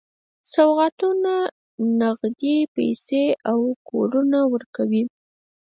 سوغاتونه، نغدي پیسې او کورونه ورکوي.